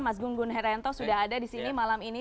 mas gun gun herento sudah ada disini malam ini